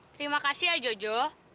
terima kasih ya jojo